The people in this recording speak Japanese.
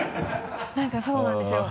何かそうなんですよ。